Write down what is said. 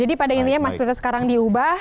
jadi pada intinya masjid kita sekarang diubah